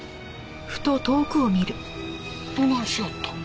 どないしはったん？